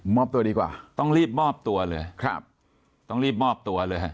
ตัวดีกว่าต้องรีบมอบตัวเลยครับต้องรีบมอบตัวเลยฮะ